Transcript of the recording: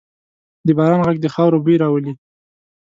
د باران ږغ د خاورو بوی راولي.